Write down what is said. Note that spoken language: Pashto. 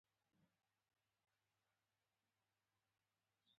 دا د تبریوس ګراکچوس او اشرافو ترمنځ د شخړې سبب شوه